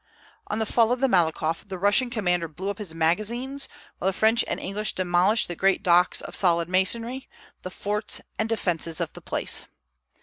On the fall of the Malakoff the Russian commander blew up his magazines, while the French and English demolished the great docks of solid masonry, the forts, and defences of the place.